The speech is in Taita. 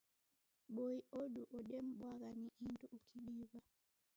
Boi odu odebwaghwa ni indu ukidiwa